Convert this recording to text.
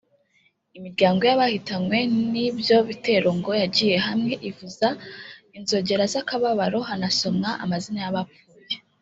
imiryango y’abahitanywe n’ibyo bitero ngo yagiye hamwe ivuza inzogera z’akababaro hanasomwa amazina y’abapfuye